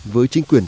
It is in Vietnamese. với chính quyền